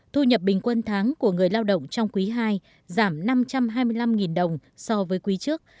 thu nhập bình quân tháng của người lao động trong quý ii giảm năm trăm hai mươi năm đồng so với quý trước